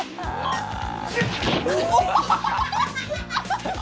ハハハハッ！